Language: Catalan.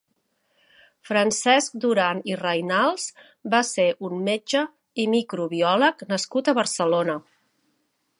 Francesc Duran i Reynals va ser un metge i microbiòleg nascut a Barcelona.